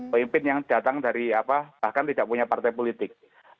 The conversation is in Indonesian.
pemimpin yang datang dari apa bahkan tidak punya partai politik